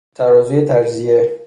ترازوی تجزیه